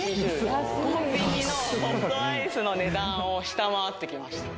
コンビニのソフトアイスの値段を下回ってきました